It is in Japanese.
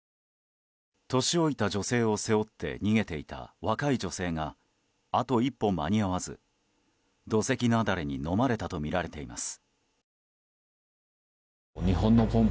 年老いた女性を背負って逃げていた若い女性があと一歩、間に合わず土石なだれにのまれたとみられています。